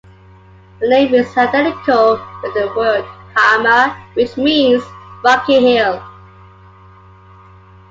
The name is identical with the word "hamarr" which means "rocky hill".